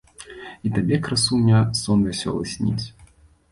І табе, красуня, сон вясёлы сніць!